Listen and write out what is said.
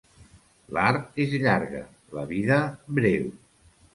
L'art és llarga; la vida breu.